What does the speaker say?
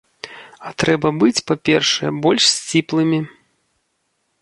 А трэба быць, па-першае, больш сціплымі.